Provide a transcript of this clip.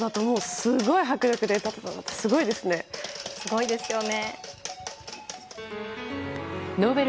すごいですよね。